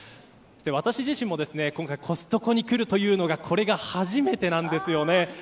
私自身も今回コストコに来るというのがこれが初めてなんですよね。